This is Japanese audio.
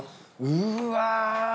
うわ！